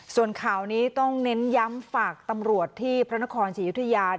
ส่วนข่าวนี้ต้องเน้นย้ำฝากตำรวจที่พระนครศรียุธยา